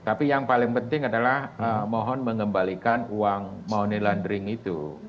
tapi yang paling penting adalah mohon mengembalikan uang money laundering itu